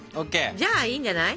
じゃあいいんじゃない？